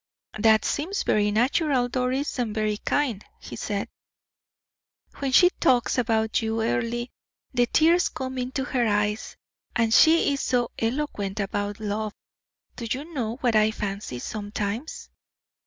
"That seems very natural, Doris, and very kind," he said. "When she talks about you, Earle, the tears come into her eyes, and she is so eloquent about love. Do you know what I fancy sometimes?"